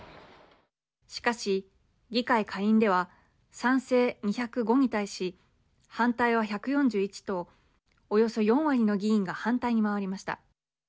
しかし議会下院では賛成２０５に対し反対は１４１とおよそ４割の議員が反対に回りました。